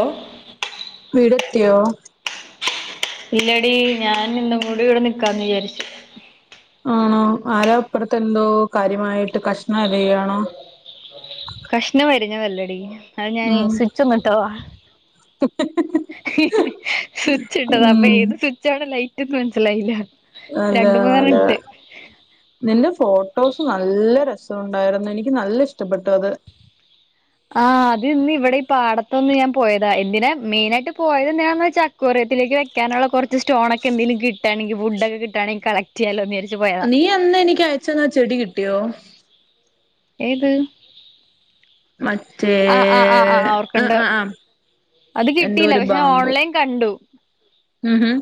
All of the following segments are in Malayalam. ഓ വീടെ ത്തിയോ ഇല്ലടി ഞാൻ നിന്നും കൂടി ഇവിടെ നിക്കാന്ന് വിചാരിച്ചു ആണോ ആര അപ്പറത്തെ എന്തോ കാര്യമായിട്ട് കഷ്ണം അരിയാണോ കഷ്ണ വ [unintelligible] വല്ലടി അത് ഞാന് ഉം സ്വിച്ചും ഒന്നു ഇട്ടതാ സ്വിച്ച് ഇട്ടതാ അപ്പൊ ഉം ഏത് സ്വിച്ച ആണ ലൈ [unintelligible] മനസിലായില്ല നല്ല നല്ല നിന്റെ ഫോട്ടോസ് നല്ല രസം ഇണ്ടായിരുന്നു എനിക്ക് നല്ല ഇഷ്ടപ്പെട്ടു അത് ആഹ് അത് ഇവിടെ ഈ പാടത്തൊന്ന്ഞാൻ പോയത എന്തിന മെയിൻനായിട്ട് പോയത് എന്താ ക്കോറിയത്തിലേക്ക് വെക്കാനുള്ള കുറച്ച് സ്റ്റോണ ഒക്കെ എന്തങ്കിലും കിട്ടയാണെങ്ക ഫുഡൊക്കെ കിട്ടയാണെങ്കിൽ കളക്ട് ചെയ്യാലോരിക്ക നീ അന്ന് എനിക്ക് അയച്ചെന്നാ ചെടി കിട്ടിയോ ഏത് മറ്റേ ആഹ ആ ആ ആ ഓർക്കണ്ട് ആ ആ അത് എന്തോ കിട്ടിയില്ല ഒരു പക്ഷെ ബാമ്പു ഓൺലൈൻ കണ്ടു ഉം ഹം.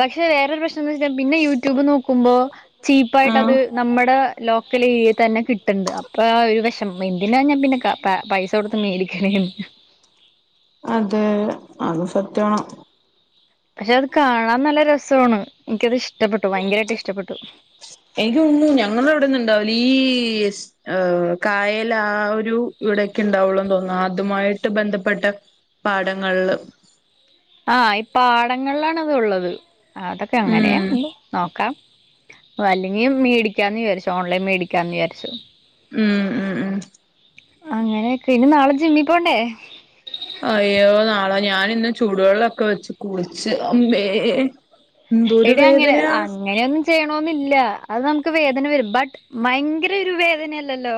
പക്ഷെ വേറൊരു പ്രശ് പിന്നെ യൂട്യൂബ് നോക്കുമ്പോ ആ ചീപ്പായിട്ട് അത് നമ്മുടെ ലോ ക്കൽ തന്നെ കിട്ടണ്ട് അപ്പൊ ഒരു വിഷം എന്തിനാ ഞാൻ പിന്നെ പൈസ കൊടുത്ത് മേടിക്കണന്ന്. അതെ അത് സത്യമാണ പക്ഷെ അത് കാണാൻ നല്ല രസമാണ് എനിക്കത്ഷ് എനിക്ക് ഉണു ഞങ്ങള അവിടെന്ന ഇണ്ടാവില്ല. ഈ ആ ഏ കായല ആ ഒരു ഇവിടെക്കെ ഉണ്ടാവുള്ളുന്ന് തോന്നുന്നു അതുമായിട്ട് ബന്ധപ്പെട്ട പാടങ്ങളില്. ആഹ് ഇ പാടങ്ങളിലാണ് അത് ഉള്ളത്. ആഹ് അതൊക്കെ ഉം അങ്ങനെയാ നോക്കാം. അല്ലെങ്കി മേടിക്കാന്ന് വിചാരിച്ചു ഓൺലൈൻ മേടിക്കാന്ന് വിചാരിച്ചു. ഉം ഉം ഉം. അങ്ങനെയൊക്കെ ഇനി നാളെ ജിമ്മി പോണ്ടേ അയ്യോ നാളാ ഞാൻന്ന് ചൂടുവെള്ളമൊക്കെ വെച്ച് കുളിച്ചച്ച് അമ്മേ എടി അങ്ങനെ അങ്ങനെയൊന്നും ചെയ്യണന്നല്ല അത് നമുക്ക് വേദ ദന വരും ബട്ട് ഭയങ്കര ഒരു വേദനയല്ലല്ലോ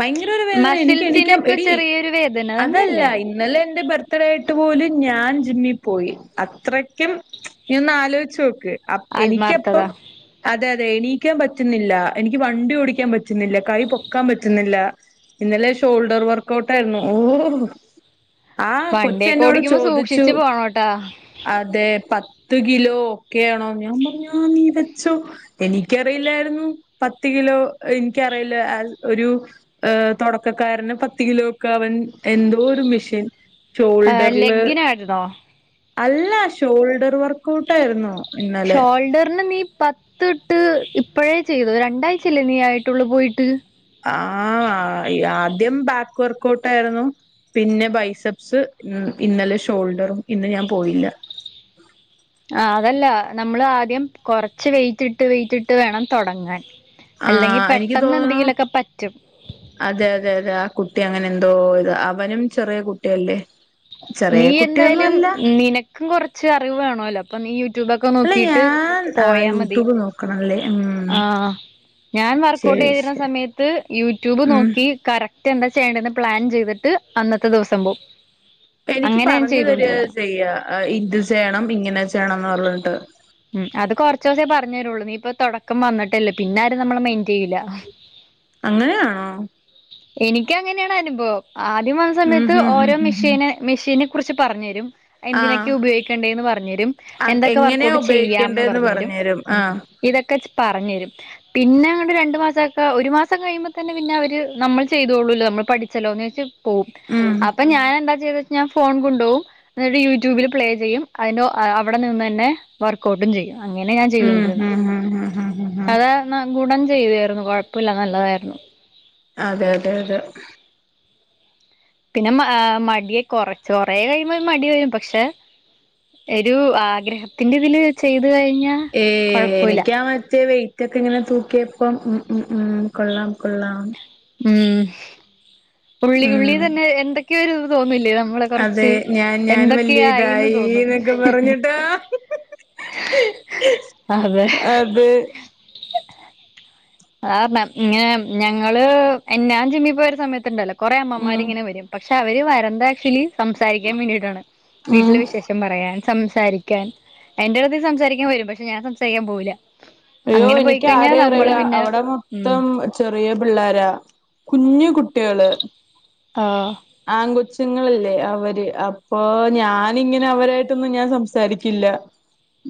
ഭയങ്കര ഒരു വേദന എനിക്ക് എണിക്കാം മസിൽസിനൊക്കെ എടി ചെറിയൊരു വേദന അതല്ല അങ്ങനെയല്ലേ ഇന്നലെ എന്റെ ബർത്ത്ഡേ ആയിട്ട് പോലും. ഞാൻ ജിമ്മിൽ പോയി അത്രയ്ക്കും ഇന്ന് ആലോചിച്ചു നോക്ക്. അ ആത്മാർത്ഥത എനിക്കപ്പം അത അതെ എണീക്കാൻ പറ്റുന്നില്ല എനിക്ക് വണ്ടി ഓടിക്കാൻ പറ്റുന്നില്ല കൈ പൊക്കാൻ പ ക്കുന്നില്ല ഇന്നലെ ഷോൾഡർ വർക്ക് ഔട്ട് ആയിരുന്നു ഓ. ആ കൊച്ച് വണ്ടിയൊക്കെ എന്നോട് ഓടിക്കുമ്പോ ചോദിച്ചു സൂക്ഷിച്ചു പോണോട്ടാ. അതെ പത്ത് കിലോ ഒക്കെയ ആണോ ഞാൻ പറഞ്ഞു നീ വെച്ചോ എനിക്കറിയില്ലായിരുന്നു പത്ത് കിലോ എനിക്കറിയില്ല അഹ് ഒരു ഏ തൊടക്കക്കാരന് പത്ത് കിലോക്കെ അവൻ എന്തോ ഒരു മെഷീൻ. ആ ഷോൾഡറില് ലെഗ്ഗിനായിരുന്നോ അല്ല ഷോൾഡർ വർക്ക് ഔട്ട് ആയിരുന്നു. ഇന്നലെ ഷോൾഡറിന് നീ പത്ത് ഇട്ട് ഇപ്പഴേ ചെയ്തോ രണ്ടാഴ്ച അല്ലേ നീ ആയിട്ടുള്ളൂ പോയിട്ട്. ആ യത് ആദ്യം ബാക്ക് വർക്ക്ഔട്ട് ആയിരുന്നു പിന്നെ ബൈസെപ്സ് മ്മ് ഇന്നലെ ഷോൾഡറും ഇന്ന് ഞാൻ പോയില്ല. ആ അതല്ല നമ്മൾ ആദ്യം കൊറച്ച് വെയിറ്റിട്ട് വെയിറ്റിട്ട് വേണം തൊടങ്ങാൻ. ആ എനിക്ക് തോന്നണൂ പറ്റും അതെ അതെ അതെ ആ കുട്ടി അങ്ങനെ. എന്തോ ഇത് അവനും ചെറിയ കുട്ടിയല്ലേ. നീ ചെറിയ കുട്ടിയൊന്നും എന്തായാലും അല്ല നിനക്കും കൊറച്ച് അറിവ് വേണോല്ലോ. അപ്പ നീ യു ട്യൂബൊക്കെ അല്ല നോക്കീട്ട് ഞാൻ ആ പോയാ മതി യൂട്യൂബ് നോക്കണല്ലേ ഉം ആ ഞാൻ വർക്ക്‌ഔട്ട് ശരി ചെയ്തിരുന്ന ശരി സമയത്ത് യൂട്യൂബ് ഉം നോക്കി കറക് റ്റേ എന്താ ചെയ്യേണ്ടെന്ന് പ്ലാൻ ചെയ്തിട്ട് അന്നത്തെ ദിവസം പോവും. എനിക്ക് അങ്ങനെ ഞാൻ പറഞ്ഞതരുവാ ചെയ്തോണ്ടിരുന്ന ചെയ്യ ഇത് ചെയ്യണം ഇങ്ങനെ ചെയ്യണംന്ന് പറഞ്ഞിട്ട് ഉം അത് കൊറച്ച് ദിവസേ പറഞ്ഞു തരുള്ളൂ. നീ ഇപ്പം തൊടക്കം വന്നിട്ടല്ലേ പിന്നെ ആരും നമ്മളെ മൈന്റ് ചെയ്യൂല. അങ്ങനെയാണോ? എനിക്ക്‌ അങ്ങനെയാണ് അനുഭവം. ആദ്യം വന്ന ഉം സമയത്ത് ഹും ഹും ഓരോ ഹും ഹും മെഷീന്, മെഷീന് കുറിച്ച് പറഞ്ഞ് തരും. ആഹ് എന്തിനൊക്കെയ ഉപയോഗിക്കേണ്ടേന്ന് പറഞ്ഞു തരും. ആ എന്തൊക്കെ വർക്ക്‌ എങ്ങനെയാ ഔട്ട് ചെയ്യാന്ന് ഉപയോഗിക്കേണ്ടേന്ന് പറഞ്ഞ് തരും പറഞ്ഞു ഉം ആഹ് ഇതക്കെ പറഞ്ഞ് തരും പിന്നെ അങ്ങട് രണ്ട് മാസൊക്കെ ഒരു മാസം കഴിയുമ്പോ തന്നെ പിന്നെ അവര് നമ്മൾ ചെയ്തോള്ളൂല്ലോ നമ്മൾ പഠിച്ചല്ലോ എന്ന് വെച്ച് പോവും ഉം അപ്പൊ ഞാൻ എന്താ ചെയ്തിട്ട് ഞാൻ ഫോൺ കൊണ്ടുപോവും എന്നിട്ട് യൂട്യൂബിൽ പ്ലേ ചെയ്യും അതിനൊ അഹ് അവിടെ നിന്ന് തന്നെ വർക്ക്ഔട്ടും ചെയ്യും ഉം ഹും ഹു ഹു അതാ നങ്കുടൻ ചെയ്തായിരുന്നു കൊഴപ്പില്ല നല്ലതായിരുന്നു അതെ അതെ അതെ പിന്നെ മടിയെ കുറച്ച് കൊറെ കഴിയുമ്പോൾ ഒരു മടി വരും പക്ഷെ ഒരു ആഗ്രഹത്തിന്റെ ഇതില് ചെയ് ഏഹ് എനിക്കാ മറ്റേ വെയിറ്റ് ഒക്കെ ഇങ്ങനെ തൂക്കിയപോ അപ്പൊ [unintelligible] കൊള്ളാം കൊള്ളാം ഉം ഉള്ളി ഉള്ളി ഉം തന്നെ എന്തൊക്ക [unintelligible] അതെ ഞാൻ ഞാൻ വലിയ എന്തൊക്കെയായിന്ന് ഇതായി തോന്നും എന്നൊക്കെ പറഞ്ഞിട്ടാ അതെ അതേ ആരണം ഇങ്ങനെ ഞങ്ങള് എന്നാ എന്നാഞ്ചി ചിമ്മി പോയ ഒരു സമയത്തുണ്ടല്ലോ കുറെ ഉം അമ്മമാർരിങ്ങനെ വരും പക്ഷ പക്ഷെ അവര് വരന്ത ആക്ച്വലി സംസാരിക്കാൻ വേണ്ടിയിട്ടാണ് ഉം വീട്ടിലെ വിശേഷം പറയാൻ സംസാരിക്കാൻ അയ്ന്റെറ അടുത്ത്ൽ സംസാരിക്കാൻ വെരും പക്ഷെ ഞാൻ സംസാരിക്കാൻ പോവില്ല അയ്യോ അങ്ങനെ എനിക്ക് പോയിക്കഴിഞ്ഞാ ആര നമ്മള് പിന്നെ അറയിടെ ഉം മൊത്തം ചെറ്യേയ പിള്ളോര കുഞ്ഞു കു കുട്യ. ടെംള് ആഹ് പ്രങ്ങളല്ലേ അവര് അപ്പൊ ഞാനിങ്ങനെ അവരായിട്ടൊന്നും ഞാൻ സംസാരിക്കില്ല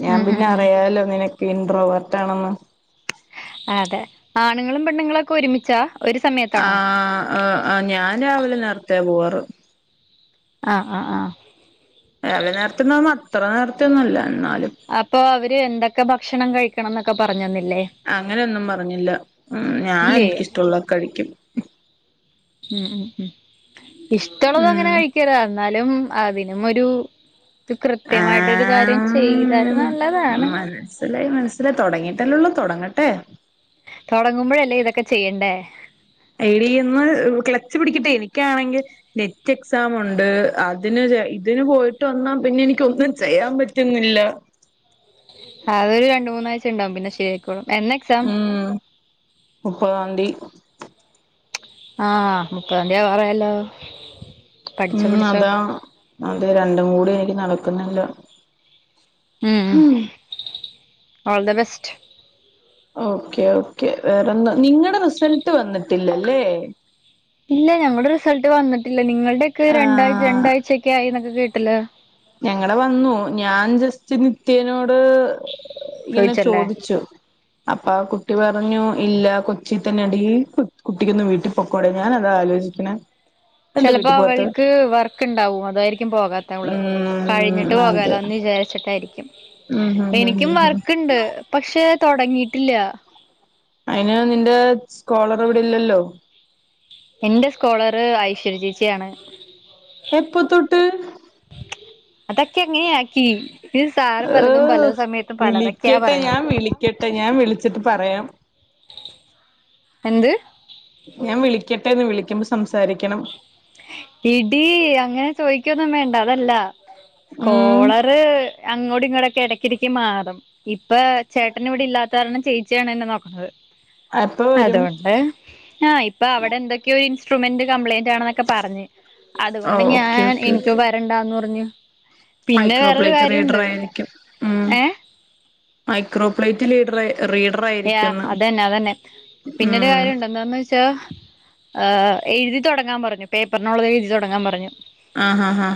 ഞാൻ ഉം ഉം പിന്നെ ഉം അറിയാലോ നിനക് കേന്ദ്രവ ത്താണെന്ന് അതെ ആണുങ്ങളും പെണ്ണുങ്ങളും ഒക്കെ ഒരുമിച്ചാ ഒരു സമയത്താണോ ആഹ് ഹ് ഞാൻ രാവിലെ നേര്ത്തെ പോവാറ് ആഹ് ആഹ് ആഹ് വിലെ നേരത്തെന്നറ് അത്ര നേരത്തെ ഒന്നല്ല എന്നാല് അപ്പൊ അവര് എന്തെക്കെ ഭക്ഷണം കഴിക്കണംന്നൊക്കെ പറഞ്ഞന്നി അങ്ങനോന്നും പറഞ്ഞില്ല ഹു ഞാൻ ഇല്ലേ എനിക്കിഷ്ടമുള്ളതൊക്കെ കഴിക്കും ഉം ഇഷ്ടമുള്ളതു അങ്ങനെ ഉം കഴിക്കരുത് അന്നേരം [unintelligible] അതിനുമൊരു ആഹ് നല്ലതാണ് മനസ്സിലായി മനസ്സിലായി തുടങ്ങിട്ടല്ലെള്ളൂ തുടങ്ങട്ടെ തുടങ്ങുമ്പോഴല്ലേ ഇതൊക്കെ ചെയ്യണ്ടേ എടിന്ന് ക്ലച്ചു പിടിക്കട്ടെ എനിക്കാണെങ്കിൽ നെറ്റ് എക്സാം ഉണ്ട് അതിന് ഇതിന് പോയിട്ട് വന്നാ പിന്നെ എനിക്ക് ഒന്നും ചെയ്യാൻ പറ്റുന്നില്ല അതൊരു രണ്ടു മൂന്നാഴ്ച ഉണ്ടാകും പിന്നെ ശരിയായിക്കോളും എന്നാ എക്സാം ഉം മുപ്പതാംതി ആഹാ മുപ്പതംതി ആവാറയല്ലോ ഉം അതാ നത് രണ്ടും കൂടി എനിക്ക് നടക്കുന്നില്ല ഉം all the best okay okay വേറെന്താ നിങ്ങളുടെ റിസൾട്ട് വന്നിട്ടില്ലല്ലേ? ഇല്ല ഞങ്ങളുടെ റിസൾട്ട് വന്നിട്ടി ല്ല നിങ്ങൾടെ ഒക്കെ രാണ്ടായ് രണ്ടാഴ്ചൊക്കെ ആയി വീട്ടിലാ. ഞങ്ങളെ വന്നു ഞാൻ ജസ്റ്റ് നിത്യനോട് ഇങ്ങനെ ചോദിച്ചല്ലേ ചോദിച്ചു അപ്പ ആ കുട്ടി പറഞ്ഞു ഇല്ല കൊച്ചി തന്നെണ്ട് ഈ കുട്ടിക്കൊന്താ വീട്ടിൽ പൊക്കോടെ ഞാൻ അതാ ആലോചിക്കണ.. ചെലപ്പോ അവൾക്ക് വർക്ക് ഇണ്ടാവും അതായിരിക്കും പോകാത്ത. കഴിഞ്ഞിട്ട് ഉം അതെ പോകാലോന്ന് വിചാരിച്ചിട്ടായിരിക്കും ഉം ഹും ഹും എനിക്കും ഹും ഹും വർക്കുണ്ട് പക്ഷെ തോടങ്ങിട്ടില്ല അയിന് നിന്റെ സ്കോളർ ഇവിടെല്ലല്ലോ എന്റെ സ്കോളറ് ഐശ്വര്യ ചോച്ചി ആണ് എപ്പൊ തൊട്ട് അതൊക്കെ ങ്ങനെ ആക്കി ഏയി... പലതൊക്കെയാ വിളിക്കട്ടെ ഞാൻ പറയണത് വിളിക്കട്ടെ ഞാൻ വിളിച്ചിട്ട് പറയാം. എന്ത് ഞാൻ വിളിക്കട്ടെന്ന് വിളിക്കുമ്പോ സംസാരിക്കണം എടി അങ്ങനെ ചോയിക്കൊന്നും വേണ്ട അതല്ല ഉം സ്കോളർ അങ്ങോട്ടും ഇങ്ങോട്ട കിടക്കിടക്ക് മാറും ഇപ്പ ചേട്ടന് ഇവിടെ ഇല്ലാത്താരണം ചേച്ചിയാണ് എന്നെ നോക്കണത് അപ്പൊ വരും അതൊണ്ട് ആഹ്ഹ ഇപ്പൊ അവിടെ എന്തൊക്കെയ ഒരു [unintelligible] കംപ്ലയിന്റ് ആ ക്കെ പറഞ് ആ അതുകൊണ്ട് ഞാൻ എനിക്ക് വരണ്ടന്ന് പറഞ്ഞു പിന്നെ വേറൊരു മൈക്രോപ്ലൈറ്റ് റീഡർ കാര്യണ്ട് ആയിരിക്കും ഉം ഏഹ് മൈക്രോപ്ലൈറ്റ് ലീഡർ റീഡർ യാ ആയിരിക്കുംന്ന് അതന്നെ അതന്നെ പിന്നെരു ഉം കാര്യ ഉണ്ട് എന്താന്ന് വെച്ചാ ഏഹ്ഹ എഴുതി തുടങ്ങാൻ പറഞ്ഞു പേപ്പറിനുള്ളത് എഴുതി തുടങ്ങാൻ പറഞ്ഞു ആഹ് ഹാ ഹാ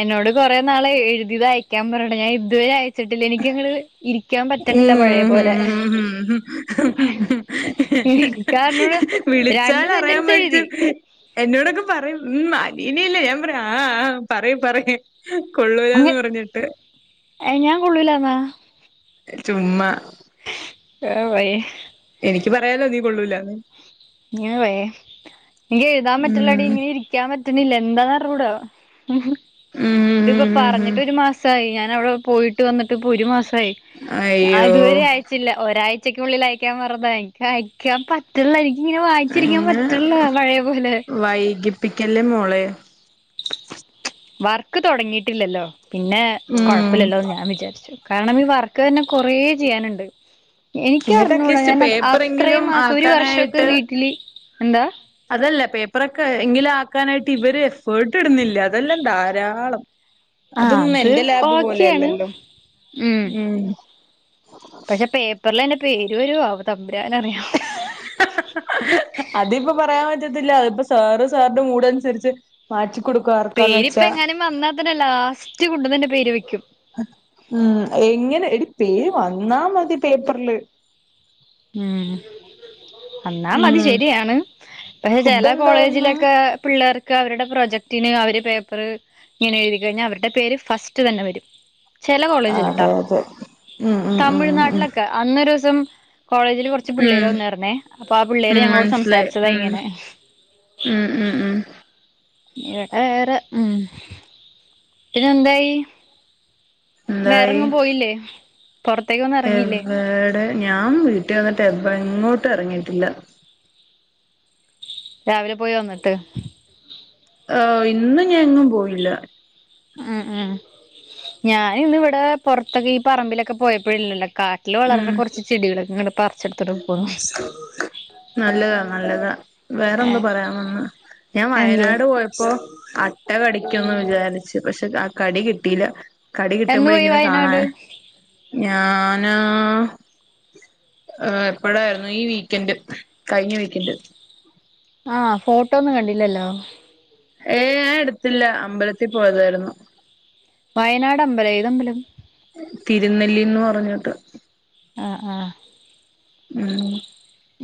എന്നോട് കൊറെേ നാള് എഴുതിയത് അയക്കാൻ പറയണേ ഞാൻ ഇതുവരെ അയച്ച വെച്ചിട്ടില്ല എനിക്കങ് ഇരിക്കാൻ പറ്റണില്ല പഴയ ഉം പോലെ ഉം എനിക്കാണെന്നോട് രണ്ട് വിളിച്ചാൽ അറിയാൻ സെന്റൻസ് പറ്റ എഴുതി എന്നോടൊക്കെ പറയും ഉമ് ഇനില്ല ഞൻ പറ ആ ആ പറയ് പറയും ഹ് കൊള്ളൂലാന്ന് പറഞ്ഞിട്ട് ഏഹ് ഞാൻ കൊള്ളൂലാന്നാ ചുമ്മാ [unintelligible] എനിക്ക് പറയാല്ലോ നീ കൊള്ളൂലന്നു നീ ഒന്ന് പോയെ എനിക് എഴുതാൻ പറ്റുള്ളടി ഉം ഇങ്ങനെ ഇരിക്കാൻ [unintelligible] പറ്റുന്നില്ല എന്താന്നറിഞ്ഞൂട ഇതിപ്പോ ഉം പറഞ്ഞിട്ടൊരു മാസായി ഞാൻ [unintelligible] പോയിട്ട് വന്നിട്ട് പ്പൊരു മാസായി. അയ്യോ ആത്വരെ ആയച്ചില്ല ഒരാഴ് ച്ചക്കുള്ളിൽ അയക്യാ മറന്നോയ് ഞാൻ അയക്യാൻ പറ്റ്ൺല്ലനി ഞ്ഞി വായ്ച്ചിരിക്കാൻ അങ്ങനെ പറ്റ്ൺല്ല പഴേപോലെ പ്പിക്കല്ലേ മോളേ വർക്ക് തൊടങ്ങിട്ടില്ലല്ലോ. പിന്നെ ഉം കൊഴ്പ്പല്ലല്ലോന്ന് ഞാൻ വിചാരിച്ചു കാരണം ഇ വർക്ക്ന്നെ കൊറേ ചെയ്യാനുണ്ട്. എനിക്ക് നിങ്ങക്ക് അറിഞ്ഞൂടാ അറ്റ്ലീസ്റ്റ് ഞാൻ അത പേപ്പറെങ്കിലും അത്രയും മാസം ഒരു വർഷൊക്കെ ആക്കാനായിട്ട് വീട്ടില് എന്താ അതല്ല പേപ്പറൊക്കെ എങ്കിലും ആക്കാനായിട്ട് ഇവര് എഫേട്ട് ഇടുന്നില്ല അതെല്ലാം ധാരാളം ആ അതൊന്നും അത് എന്റെ ലാബ് ഓക്കേണ് പോലെയല്ലല്ലോ മ് ഉം പക്ഷെ പേപ്പർലെന്നെ പേര് വരോ ആവൊ ഹ് അ അ അതിപ്പപറയാൻ പറ്റ് [unintelligible] അതിപ്പൊ സാറ് സാറിന്റെ മൂടൻസരിച്ച് മാറ്റി കൊടുക്കും ആർക്കാന്ന് പേരിപ്പ വെച്ചാ എങ്ങാനും വന്നാ തെന്നാ ലാസ് റ്റ്കൊണ്ടന്നന്നെ പേര് വയ്ക്കും മ് എങ്ങനെ എടി പേര് വന്നാ മതി പേപ്പറില് മ് എന്നാ മതി ഉം ശരിയാണ് പക്ഷെ ഫുഡ് ചെല എന്തായിന്ന് കോളേജിലൊക്കെ പിള്ളേർ അവരുടെ പ്രൊജക്ടിന് അവര് പേപ്പർ ഇങ്ങനെ എഴുതി കഴിഞ്ഞ് ഇനി അവരുടെ പേര് ഫസ്റ്റ് തന്നെ വരും ചെല കോളേജിലിട്ടാ അതെ അതെ ഉം ഉം ഉം ഉം ഉം തമിഴ്നാട്ടിലൊക്കെ അന്നൊരു തും കോളേജില് കൊറച്ച് ഉം പിള്ളേര് വന്നായിര്ന്നേ അപ്പൊ ആ പിള്ളേര് ഉം ഞങ്ങളോട് മനസ്സിലായി സംസാരിച്ചതാ ഉം ഇങ്ങനെ ഉം ഉം ഉം ഇവിടെ വേറെ ഉം ഇതെന്തായി എന്തായി വേറെങ്ങും പോയില്ലേ പുറത്തേക്കൊന്നും ഇറങ്ങിയില്ലേ എവിടെ ഞാൻ വീട്ടിൽ വന്നിട്ട് എങ്ങോട്ട് ഇറങ്ങിട്ടില്ല രാവിലെ പോയി വന്നിട്ട് ആ ഇന്നും ഞാൻങ്ങും പോയില്ല ഉം ഉം ഞാന് ഇന്ന് ഇവിടെ പൊർത്തൊക്കെ ഈ പറമ്പിലൊക്കെ പോയപ്പോഴില്ലല്ലോ കാട്ടിൽ വളര്ണ ഉം കൊറച്ച് ചെടികളൊക്ക ഇങ്ങ പർ നല്ലതാ നല്ലതാ വേറെ എന്താ പറയാൻ വന്ന് ഞാൻ എന്ത് വയനാട് പോയപ്പോ അട്ട കടി കടിക്കുമെന്ന് വിചാരിച്ചു പക്ഷെ ആ കടി കിട്ടില്ല കടി എന്ന് പോയി കിട്ടുമ്പോഴെങ്കിലും വയനാട് കാണാൻ ഞാന് ആ എപ്പോഴായിരുന്നു ഈ വീക്കെന്ഡ് കഴിഞ്ഞ വീക്കെന്ഡ് ആഹ് ഫോട്ടോ ഒന്നും കണ്ടില്ലല്ലോ ഏ ഞാൻ എടുത്തില്ല അമ്പലത്തിൽ പോയതായിരുന്നു വയനാട് അമ്പലം ഏത് അമ്പലം തിരുനെല്ലിന്ന് പറഞ്ഞോട്ട് ആ ആ ഉഹ്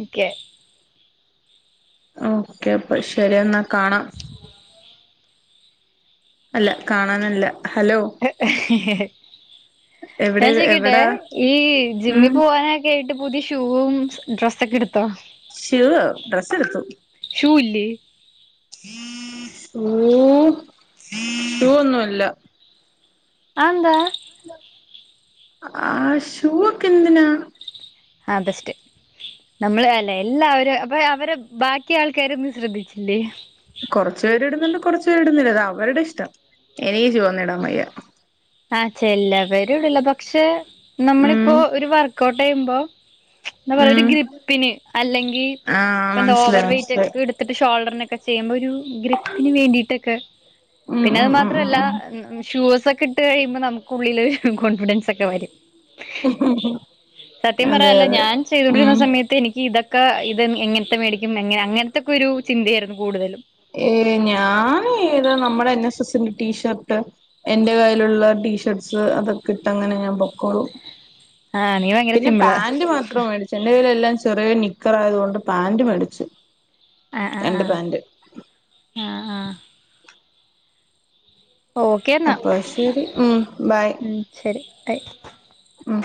ഓക്കെ ഓക്കെ അപ്പ ശരി എന്നൽ കാണാം അല്ല കാണാനല്ല ഹലോ ഞാൻ എവിടെ എവിടാ ചോക്കികട്ടെ ഉം ഈ ഡ്രസ്സൊക്കെ എടുത്തോ ശൂവ് ഡ്രസ്സ് എടുത്തു ഷൂ ഇല്ലേ മ്മ് ശൂ ഒന്നുല്ല അതെന്താ ആ ഷൂ ഒക്കെ എന്തിനാ ആ ബെസ്റ്റ് നമ്മള് അല്ലെ എല്ലാവരും അപ്പൊ അവരെ ബാക്കി ആൾക്കാരൊന്നും ശ്രദ്ധിച്ചില്ലേ കുറച്ച പേര് ഇടുന്നുണ്ട് കുറച്ചു പേര് ഇടുന്നില്ല അത് അവരുടെ ഇഷ്ടം ഇനിക് ഷൂവൊന്നുടാവയ്യ ആഹ് ചെല്ല പരിടില്ല പക്ഷെ ഉം നമ്മളിപ്പോ ഒരു വർക്ക് ഔട്ട് യുബോ എന്താ പറയ ഒരു ഉം ഗ്രിപ്പിന് അല്ലെങ്കി ആഹ് ഇപ്പൊ എന്താ ഓവർ മനസ്സിലായി വെയ്റ്റ് മനസ്സിലായി ഒക്കെ ഇട്ത്തിട്ട് ഷോൾഡർനെ ഒക്കെ ചെയ്യുമ്പോൾ ഒരു ഗ്രിപ്പിന് വേണ്ടിയിട്ടൊക്കെ ഉം പിന്നെ ഉം അത് ഉം ഉം മാത്രല്ല ഉം ഷൂസെ ഇ കഴിയുമ്പോ നമുക്ക ഉുള്ളിൽൊ ഒരു കോൺഫിഡൻസ് ഒക്കെ വരും സത്യം അതെ പറല്ല അതെ ഞാൻ ചെയ്തൊണ്ടിരുന്ന ഉം സമയത്ത് എനിക്ക് ഇതൊക്കെ ഒക്കെ ഇത് എങ്ങനത്തെ മേടിക്കുംങ്ങ അങ്ങനത്തെൊക്കെ ഒരു ചിന്തയായിരുന്നു കൂടുതലും ഏ ഞാനത് നമ്മുടെ ന്റെ ടീഷർട്ട് എന്റെ കയ്യിലുള്ള ടീഷർട്സ് അതൊക്കെ ഇട്ടങ്ങനെ ഞാൻ പൊക്കോളു ആഹ് നീ ഭയങ്കര പിന്നെ സിമ്പിളാ പാന്റ് മാത്രം മേടിച്ചു എന്റെ കയ്ൽ എല്ലാം ചെറിയ നിക്കറ ആയത് കൊൊണ്ട് പാാന്റ മേടിച്ചു ആ ആ രണ്ട് പാന്റ് ആ ആ ആ എന്നാ അപ്പൊ ശരി മ് ബൈ ഉം ശരി ബൈ ഉമ്